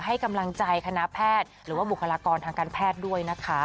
ให้กำลังใจคณะแพทย์หรือว่าบุคลากรทางการแพทย์ด้วยนะคะ